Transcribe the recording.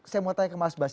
saya mau tanya ke mas bas